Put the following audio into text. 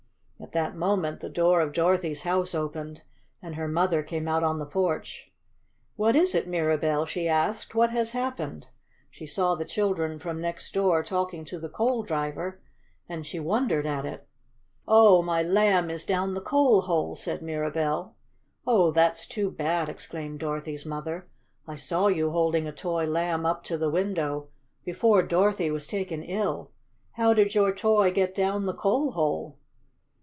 At that moment the door of Dorothy's house opened, and her mother came out on the porch. "What is it, Mirabell?" she asked. "What has happened?" She saw the children from next door talking to the coal driver, and she wondered at it. "Oh, my Lamb is down the coal hole!" said Mirabell. "Oh, that's too bad!" exclaimed Dorothy's mother. "I saw you holding a toy Lamb up to the window, before Dorothy was taken ill. How did your toy get down the coal hole?"